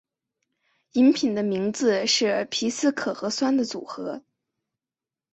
饮品的名字是皮斯可和酸的组合。